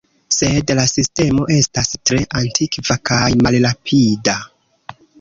Sed la sistemo estas tre antikva kaj malrapida.